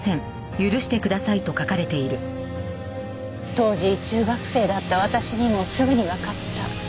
当時中学生だった私にもすぐにわかった。